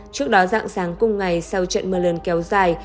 trước đó dặn sáng cùng ngày sau trận mưa lơn kéo dài